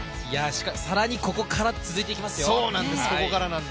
さらにここから続いていきますよ。